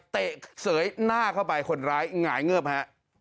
เสยหน้าเข้าไปคนร้ายหงายเงิบฮะ